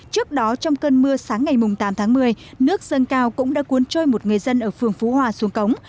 trước đó trong cơn mưa sáng ngày tám tháng một mươi nước dâng cao cũng đã cuốn trôi một người dân ở phường phú hòa xuống cống